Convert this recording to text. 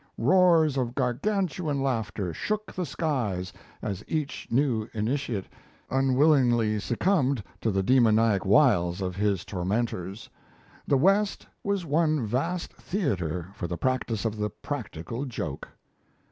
Roars of Gargantuan laughter shook the skies as each new initiate unwittingly succumbed to the demoniac wiles of his tormentors. The West was one vast theatre for the practice of the "practical joke."